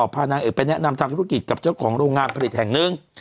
พานางเอกไปแนะนำทำธุรกิจกับเจ้าของโรงงานผลิตแห่งหนึ่ง